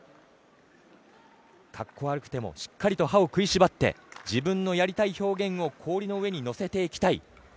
格好悪くてもしっかりと歯を食いしばって自分のやりたい表現を氷の上に乗せていきたい。